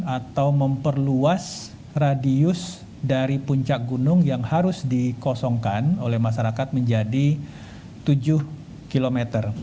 atau memperluas radius dari puncak gunung yang harus dikosongkan oleh masyarakat menjadi tujuh km